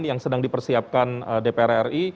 yang sedang dipersiapkan dpr ri